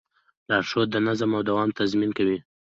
لارښود د نظم او دوام تضمین کوي.